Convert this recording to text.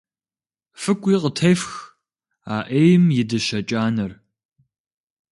ФыкӀуи къытефх, а Ӏейм и дыщэ кӀанэр!